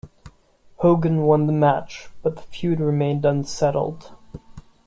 Hogan won the match, but the feud remained unsettled.